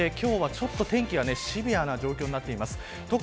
そして今日は天気がシビアな状況になっています。